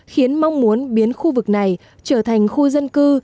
khiến mong muốn biến khu vực này trở thành khu dân cư